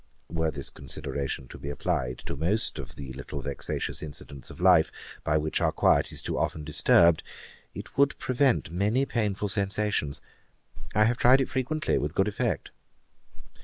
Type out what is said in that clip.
Were this consideration to be applied to most of the little vexatious incidents of life, by which our quiet is too often disturbed, it would prevent many painful sensations. I have tried it frequently, with good effect.